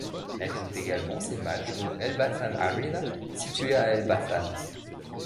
Elle joue également ses matchs au Elbasan Arena situé à Elbasan.